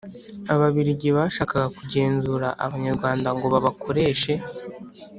Ababiligi bashakaga kugenzura abanyarwanda ngo babakoreshe